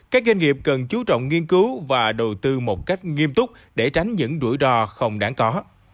các doanh nghiệp cần chú trọng nghiên cứu và đầu tư một cách nghiêm túc để tránh những đuổi đò không đáng có